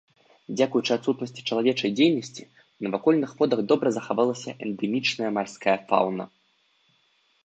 Дзякуючы адсутнасці чалавечай дзейнасці ў навакольных водах добра захавалася эндэмічная марская фаўна.